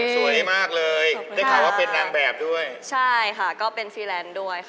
สวยมากเลยได้ข่าวว่าเป็นนางแบบด้วยใช่ค่ะก็เป็นฟีแลนด์ด้วยค่ะ